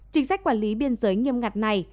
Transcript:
chính sách quản lý biên giới nghiêm ngặt này